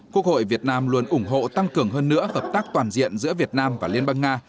quốc hội việt nam luôn ủng hộ tăng cường hơn nữa hợp tác toàn diện giữa việt nam và liên bang nga